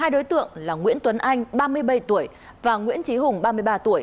hai đối tượng là nguyễn tuấn anh ba mươi bảy tuổi và nguyễn trí hùng ba mươi ba tuổi